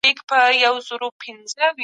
ایا ته د نورو حق رعایت کوې؟